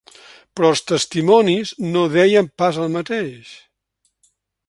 Però els testimonis no deien pas el mateix.